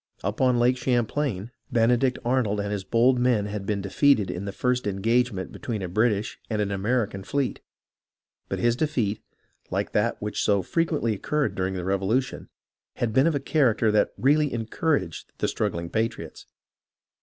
Up on Lake Champlain, Benedict Arnold and his bold men had been defeated in the first engagement between a British and an American fleet ; but his defeat, like that which so frequently occurred during the Revolution, had been of a character that really encouraged the struggling patriots.